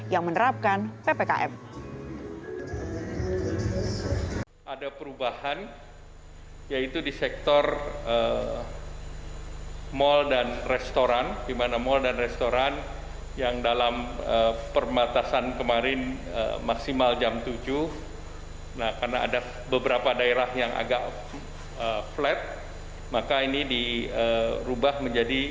yang menerapkan ppkm